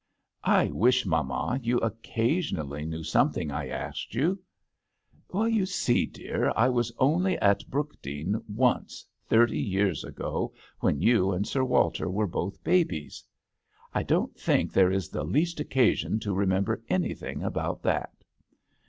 '* I wish, mamma, you occa sionally knew something I asked you." " You see, dear, I was only at 14 tHE h6tEL t)'ANGL£:T£RRB. Brookdean once, thirty years ago, when you and Sir Walter were both babies. " I don't think there is the least occasion to remember any thing about that.'